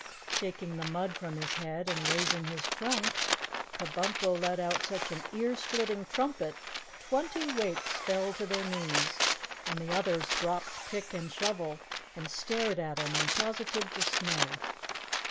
Shaking the mud from his head and raising his trunk, Kabumpo let out such an ear splitting trumpet, twenty Wakes fell to their knees, and the others dropped pick and shovel and stared at him in positive dismay.